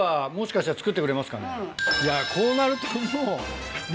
こうなるともう。